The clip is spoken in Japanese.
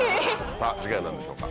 さぁ次回は何でしょうか？